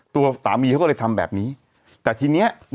ตัวสามีทำแบบนี้